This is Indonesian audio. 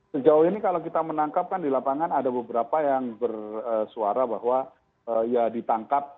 sejauh ini kalau kita menangkap kan di lapangan ada beberapa yang bersuara bahwa ya ditangkap